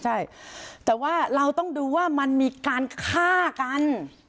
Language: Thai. ใช่แต่ว่าเราต้องดูว่ามันมีการฆ่ากัน